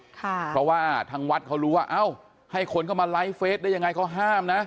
เพราะว่าทางวัดเขารู้ว่าเอ้าให้คนเข้ามาไลฟ์เฟสได้ยังไงเขาห้ามนะ